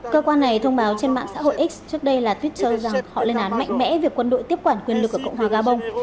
cơ quan này thông báo trên mạng xã hội x trước đây là twitter rằng họ lên án mạnh mẽ việc quân đội tiếp quản quyền lực ở cộng hòa gabon